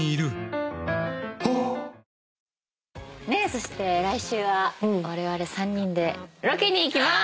そして来週はわれわれ３人でロケに行きまーす！